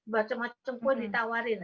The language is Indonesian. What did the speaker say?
bacem bacem kue ditawarin